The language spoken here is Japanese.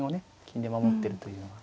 金で守ってるというのが。